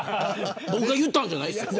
僕が言ったわけじゃないですよ。